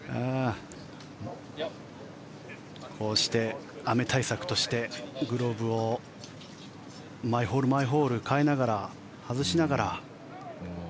こうして雨対策としてグローブを、毎ホール毎ホール変えながら、外しながら。